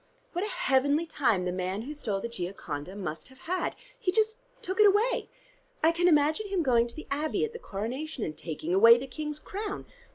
What a heavenly time the man who stole the 'Gioconda' must have had. He just took it away. I can imagine him going to the Abbey at the Coronation, and taking away the King's crown.